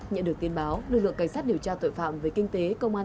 nhận được tin báo lực lượng cảnh sát điều tra tội phạm về kinh tế công an